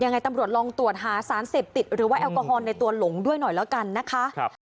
ยังไงตำรวจลองตรวจหาสารเสพติดหรือว่าแอลกอฮอลในตัวหลงด้วยหน่อยแล้วกันนะคะ